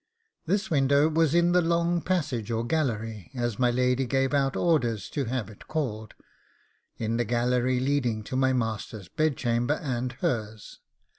This window was in the long passage, or gallery, as my lady gave out orders to have it called, in the gallery leading to my master's bedchamber and hers.